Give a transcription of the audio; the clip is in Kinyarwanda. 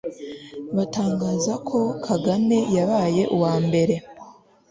batangaza ko kagame yabaye uwa mbere